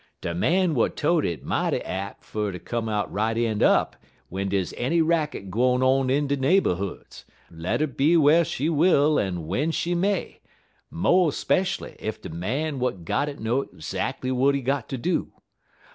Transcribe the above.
De man w'at tote it mighty ap' fer ter come out right een' up w'en dey's any racket gwine on in de neighborhoods, let 'er be whar she will en w'en she may; mo' espeshually ef de man w'at got it know 'zactly w'at he got ter do.